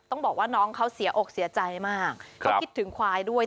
ต้องบอกว่าน้องเขาเสียอกเสียใจมากเขาคิดถึงควายด้วย